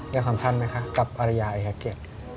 อยากคำถามไหมคะกับอริยาไอ้แฮกเกศ